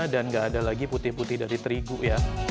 dan nggak ada lagi putih putih dari terigu ya